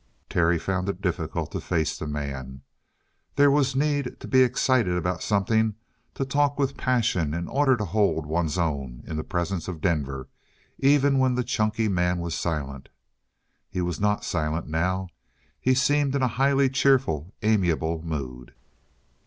Terry found it difficult to face the man. There was need to be excited about something, to talk with passion, in order to hold one's own in the presence of Denver, even when the chunky man was silent. He was not silent now; he seemed in a highly cheerful, amiable mood.